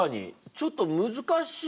ちょっと難しい。